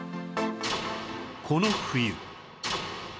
この冬